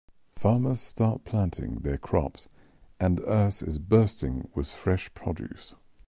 Farmers start planting their crops, and the earth is bursting with fresh produce.